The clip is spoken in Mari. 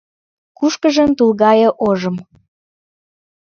Кушкыжын тул гае ожым